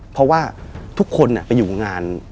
เพราะว่าทุกคนไปอยู่งาน